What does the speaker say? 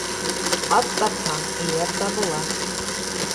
Ат тапһаң, эйәр табыла.